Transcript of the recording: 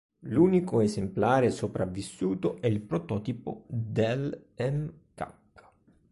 L'unico esemplare sopravvissuto è il prototipo del Mk.